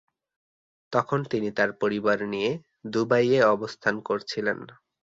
তখন তিনি তার পরিবার নিয়ে দুবাইয়ে অবস্থান করছিলেন।